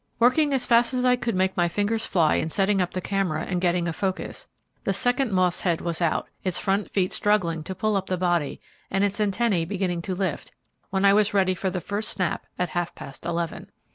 Working as fast as I could make my fingers fly in setting up the camera, and getting a focus, the second moth's head was out, its front feet struggling to pull up the body; and its antennae beginning to lift, when I was ready for the first snap at half past eleven.